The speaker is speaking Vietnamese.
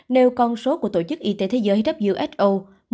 nêu con số của tổ chức y tế thế giới who